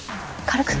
軽く。